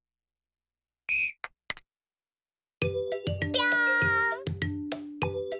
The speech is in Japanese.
ぴょん。